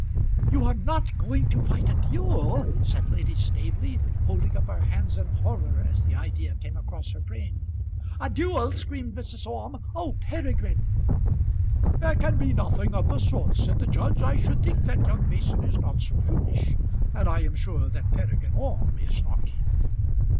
"You are not going to fight a duel!" said Lady Staveley, holding up her hands in horror as the idea came across her brain. "A duel!" screamed Mrs. Orme. "Oh, Peregrine!" "There can be nothing of the sort," said the judge. "I should think that young Mason is not so foolish; and I am sure that Peregrine Orme is not."